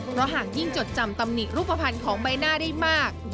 เพราะหากยิ่งจดจำตำหนิรูปภัณฑ์ของใบหน้าได้มาก